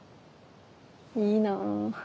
いいな。